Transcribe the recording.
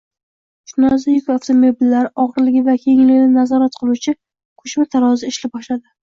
Chinozda yuk avtomobillari og‘irligi va kengligini nazorat qiluvchi ko‘chma tarozi ish boshladi